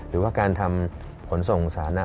หรือว่าการทำผลส่งสไปนะคะ